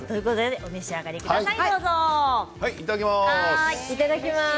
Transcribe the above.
お召し上がりください。